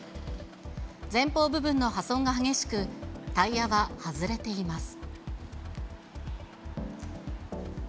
前方部分の破損が激しく、タイヤは外れています。